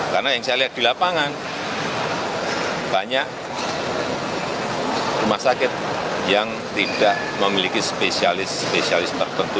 karena yang saya lihat di lapangan banyak rumah sakit yang tidak memiliki spesialis spesialis tertentu